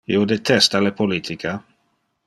Io detesta le politica.